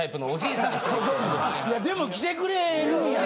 でも来てくれるんやな。